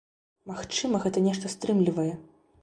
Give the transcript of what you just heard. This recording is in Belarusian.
Магчыма гэта нешта стрымлівае.